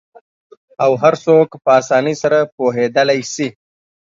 او هرڅوک په آسانۍ سره په پوهیدالی سي